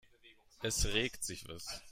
Es regt sich was.